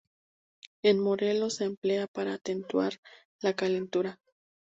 En Morelos se emplea para atenuar la calentura.